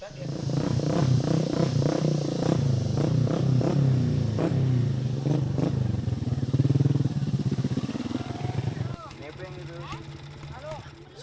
dia melancarkan mission lalu